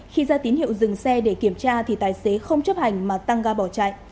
khi ra tín hiệu dừng xe để kiểm tra thì tài xế không chấp hành mà tăng ga bỏ chạy